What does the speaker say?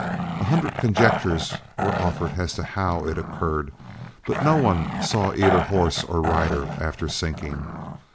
A hundred conjectures were offered as to how it occurred; but no one saw either horse or rider after sinking.